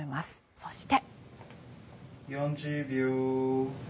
そして。